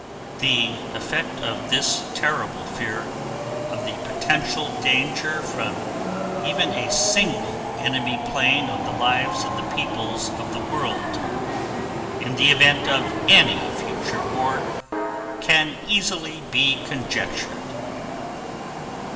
The effect of this terrible fear of the potential danger from even a single enemy plane on the lives of the peoples of the world in the event of any future war can easily be conjectured.